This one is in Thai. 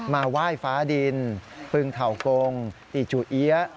มาไหว้ฟ้าดินปึงเถากงติจูเอี๊ยะ